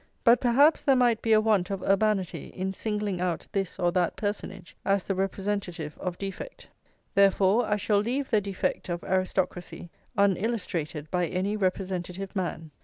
But perhaps there might be a want of urbanity in singling out this or that personage as the representative of defect. Therefore I shall leave the defect of aristocracy unillustrated by any representative man.